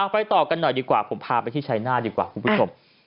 ไปต่อกันหน่อยดีกว่าผมพาไปที่ชัยหน้าดีกว่าคุณผู้ชม